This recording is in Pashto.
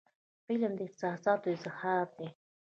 فلم د احساساتو اظهار دی